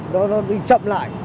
nó đi chậm lại